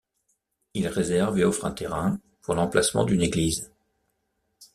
Ils réservent et offrent un terrain, pour l’emplacement d’une église.